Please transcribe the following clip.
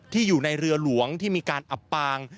อยู่ในเรือหลวงที่มีการอับปาง